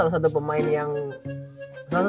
ya tadi gue salah yang di awal dah